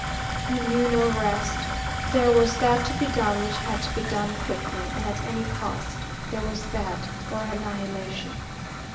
He knew no rest. There was that to be done which had to be done quickly and at any cost; there was that or annihilation.